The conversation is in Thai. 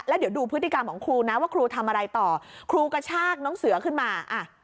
แล้วเดี๋ยวดูพฤติกรรมของครูนะว่าครูทำอะไรต่อครูกระชากน้องเสือขึ้นมา